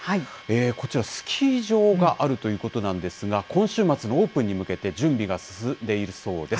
こちら、スキー場があるということなんですが、今週末のオープンに向けて、準備が進んでいるそうです。